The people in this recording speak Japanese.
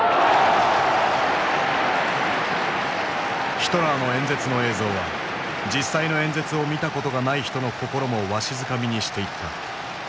ヒトラーの演説の映像は実際の演説を見たことがない人の心もわしづかみにしていった。